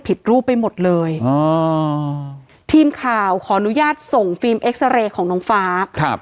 ผิดรูปไปหมดเลยอ๋อทีมข่าวขอนุญาตส่งของน้องฟ้าครับ